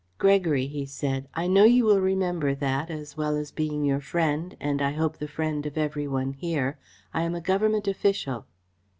"Gregory," he said, "I know you will remember that, as well as being your friend, and I hope the friend of every one here, I am a government official."